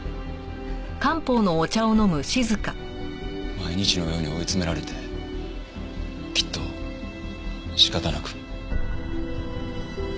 毎日のように追い詰められてきっと仕方なく。